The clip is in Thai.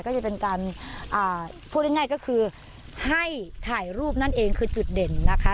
จะเป็นการพูดง่ายก็คือให้ถ่ายรูปนั่นเองคือจุดเด่นนะคะ